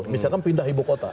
misalkan pindah ibu kota